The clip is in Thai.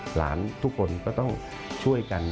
หลานทุกคนก็ต้องช่วยกัน